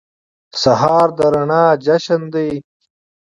سهار د رڼا جشن دی.